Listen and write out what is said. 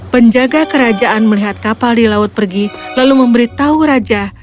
penjaga kerajaan melihat kapal di laut pergi lalu memberitahu raja